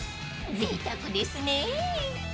［ぜいたくですね］